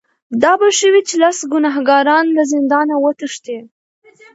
دا به ښه وي چې لس ګناهکاران له زندانه وتښتي.